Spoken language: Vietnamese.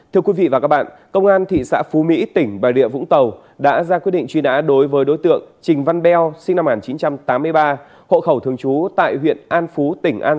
thưa quý vị và các bạn công an thị xã phú mỹ tỉnh bài địa vũng tàu đã ra quyết định truy nã đối với đối tượng trình văn beo sinh năm một nghìn chín trăm tám mươi ba